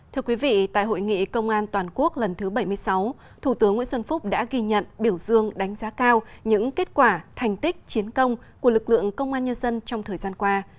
thưa quý vị tại hội nghị công an toàn quốc lần thứ bảy mươi sáu thủ tướng nguyễn xuân phúc đã ghi nhận biểu dương đánh giá cao những kết quả thành tích chiến công của lực lượng công an nhân dân trong thời gian qua